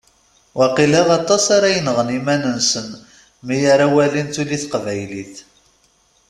Waqila aṭas ara yenɣen iman-nsen mi ara walin tuli teqbaylit.